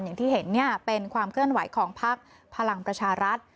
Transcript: อย่างที่เห็นเป็นความเคลื่อนไหวของพักพลังประชารัฐ